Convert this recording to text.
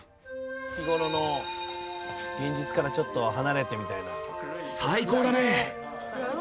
日頃の現実からちょっと離れてみたいな。